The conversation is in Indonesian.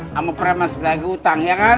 sama preman sebelah utang ya kan